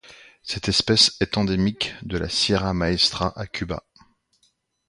Cette espèce est endémique de la Sierra Maestra à Cuba.